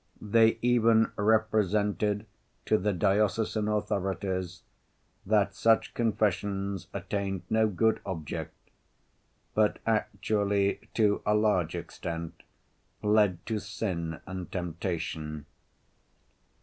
They even represented to the diocesan authorities that such confessions attained no good object, but actually to a large extent led to sin and temptation.